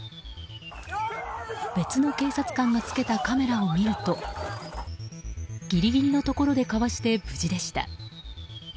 別の警察官がつけたカメラを見るとギリギリのところでかわして無事でした。